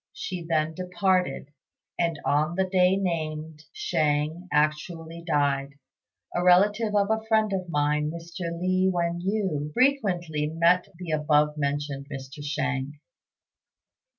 She then departed, and on the day named Shang actually died. A relative of a friend of mine, Mr. Li Wên yü, frequently met the above mentioned Mr. Shang.